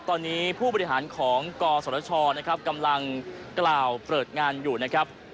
ตอนนี้ผู้บริหารของกศชนะครับกำลังกล่าวเปิดงานอยู่นะครับ